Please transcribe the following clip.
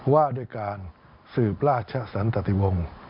ว่าด้วยการสืบราชสันตติวงศ์